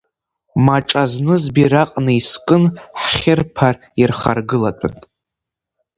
Маҿа зныз бираҟны искын, ҳхьырԥар ирхаргылатәын.